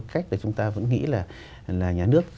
cách chúng ta vẫn nghĩ là nhà nước